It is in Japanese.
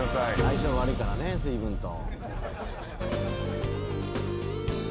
相性悪いからね水分と。